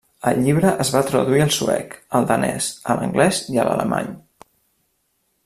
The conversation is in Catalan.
El llibre es va traduir al suec, al danès, a l’anglès i a l’alemany.